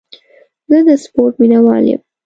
زه د سپورټ مینهوال یم.